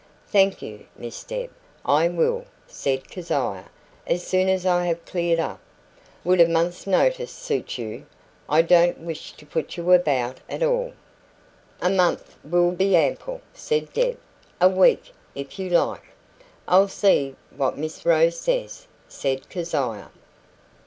"Thank you, Miss Deb, I will," said Keziah, "as soon as I have cleared up. Would a month's notice suit you? I don't wish to put you about at all." "A month will be ample," said Deb. "A week, if you like." "I'll see what Miss Rose says," said Keziah.